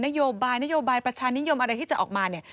นโยบายนโยบายประชานิยมอะไรที่จะออกมาเนี่ย